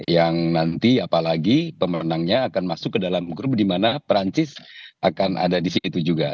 yang nanti apalagi pemenangnya akan masuk ke dalam grup di mana perancis akan ada di situ juga